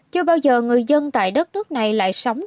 chưa bao giờ người dân tại đất nước này lại sống trong lúc này